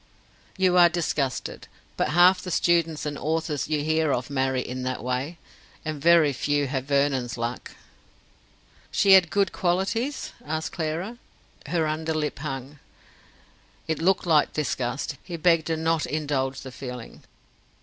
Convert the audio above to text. "You are disgusted. But half the students and authors you hear of marry in that way. And very few have Vernon's luck." "She had good qualities?" asked Clara. Her under lip hung. It looked like disgust; he begged her not indulge the feeling.